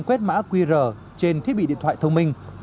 quét mã qr trên thiết bị điện thoại thông minh